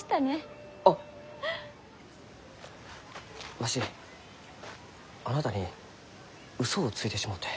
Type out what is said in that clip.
わしあなたに嘘をついてしもうて。